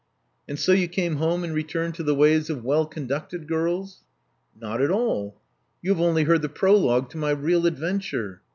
And so you came home and returned to the ways of well conducted girls. *' Not at all. You have only heard the prologue to my real adventure.